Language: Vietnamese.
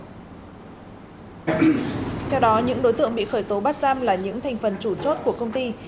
theo đó những đối tượng bị khởi tố bắt giam là những thành phần chủ chốt của công ty